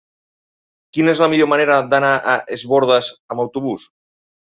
Quina és la millor manera d'anar a Es Bòrdes amb autobús?